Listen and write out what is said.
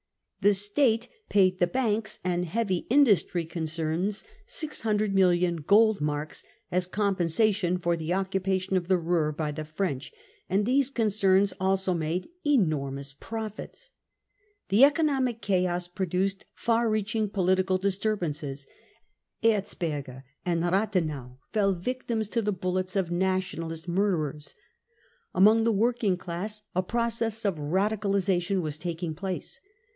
The State paid the banks and heavy industry concerns 600,000,000 gold marks as* compensation for the occupation of the Ruhr by the French,, and these concerns also made enormous profits. The economic chaos produced far reaching political disturbances. Erzberger and Rathenau fell victims to the bullets of Nationalist murderers. Among the working class a process of radicalisation was taking place.